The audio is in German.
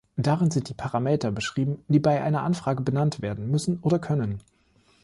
Darin sind die Parameter beschrieben, die bei einer Anfrage benannt werden müssen oder können.